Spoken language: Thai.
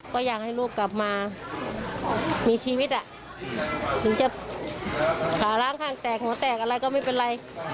ก็อยากให้ลูกกลับมามีชีวิตถึงจะขาล้างข้างแตกหัวแตกอะไรก็ไม่เป็นไร